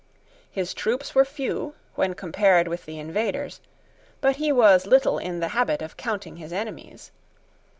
His troops were few, when compared with the invaders; but he was little in the habit of counting his enemies.